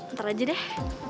ntar aja deh